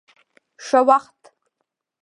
ښه وخت.